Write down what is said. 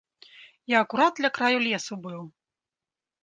Я акурат ля краю лесу быў.